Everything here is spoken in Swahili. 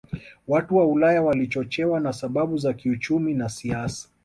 Watu wa Ulaya walichochewa na sababu za kiuchumi na siasa